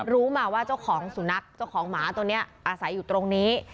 รู้มาว่าเจ้าของสุนัขเจ้าของหมาตัวนี้อาศัยอยู่ตรงนี้